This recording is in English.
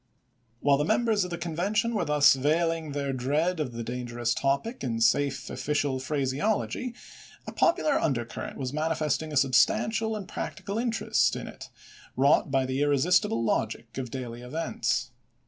While the members of the Convention were thus veiling their dread of the dangerous topic in safe official phraseology, a popular undercurrent was manifesting a substantial and practical interest in it, wrought by the irresistible logic of daily events.